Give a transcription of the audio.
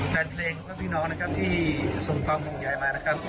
แฟนเพลงเพื่อนพี่น้องที่ส่งปังบุญใหญ่มา